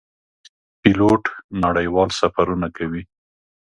پیلوټ نړیوال سفرونه کوي.